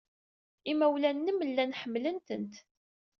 Imawlan-nnem llan ḥemmlen-tent.